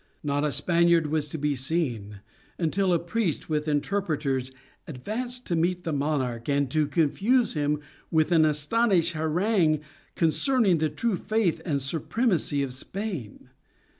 Not a Spaniard was to be seen, until a priest with interpreters advanced to meet the monarch, and to confuse him with an astonishing harangue concerning the true faith and the supremacy of Spain.